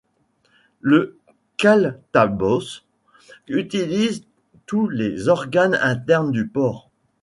Le caltaboș utilise tous les organes internes du porc.